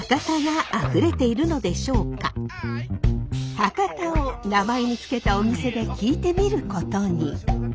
博多を名前に付けたお店で聞いてみることに。